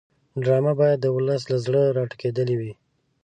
ډرامه باید د ولس له زړه راټوکېدلې وي